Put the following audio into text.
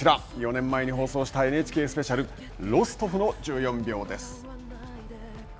４年前に放送した「ＮＨＫスペシャル」、「ロストフの１４秒」です。